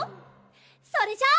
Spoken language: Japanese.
それじゃあ。